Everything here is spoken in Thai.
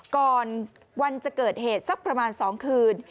ก่อนวันจะเกิดเหตุสักประมาณ๒คืน